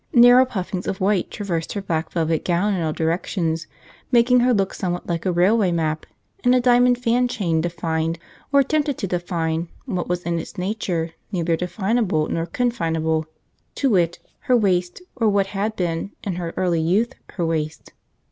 Narrow puffings of white traversed her black velvet gown in all directions, making her look somewhat like a railway map, and a diamond fan chain defined, or attempted to define, what was in its nature neither definable nor confinable, to wit, her waist, or what had been, in early youth, her waist.